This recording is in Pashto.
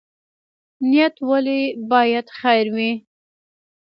نیت ولې باید خیر وي؟